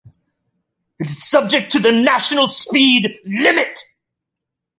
It is subject to the national speed limit.